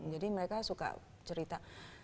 jadi mereka suka cerita